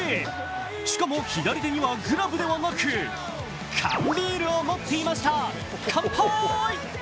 しかも左手にはグラブではなく缶ビールを持っていました、カンパーイ！